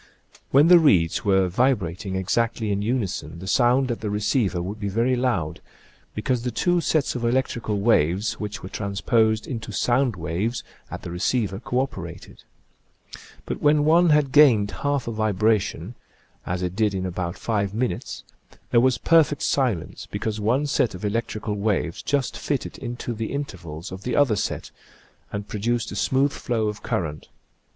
When the reeds were vi brating exactly in unison the sound at the receiver would be very loud, because the two (^\, Original from :{<~ UNIVERSITY OF WISCONSIN 5oun5*fnterterenee. 103 sets of electrical waves which were transposed into sound waves at the receiver co operated. But when one had gained half a vibration, as it did in about five minutes, there was perfect silence, because one set of electrical waves just fitted into the intervals of the other set and produced a smooth flow of current.